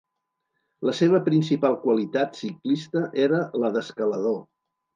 La seva principal qualitat ciclista era la d'escalador.